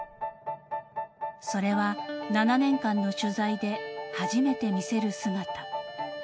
［それは７年間の取材で初めて見せる姿］